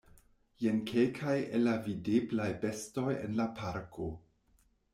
Jen kelkaj el la videblaj bestoj en la parko.